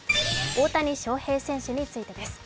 大谷翔平選手についてです。